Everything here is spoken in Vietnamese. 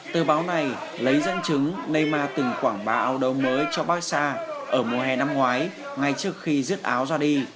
tờ báo này lấy dẫn chứng neymar từng quảng bá áo đấu mới cho barca ở mùa hè năm ngoái ngay trước khi rước áo ra đi